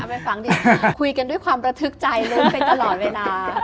ไปฟังดีคุยกันด้วยความระทึกใจเลยไปตลอดเวลา